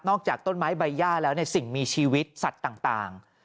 จากต้นไม้ใบย่าแล้วสิ่งมีชีวิตสัตว์ต่าง